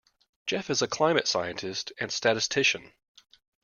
Jeff is a climate scientist and statistician.